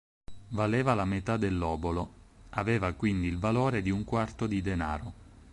Valeva la metà dell'obolo, aveva quindi il valore di un quarto di denaro.